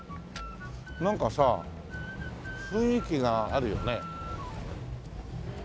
なんかさ雰囲気があるよね。